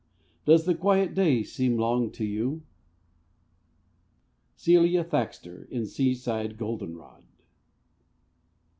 Does the quiet day seem long to you? —Celia Thaxter, in "Seaside Goldenrod."